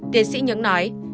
tiến sĩ nhưỡng nói